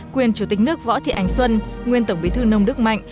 quyền chủ tịch nước võ thị ánh xuân nguyên tổng bí thư nông đức mạnh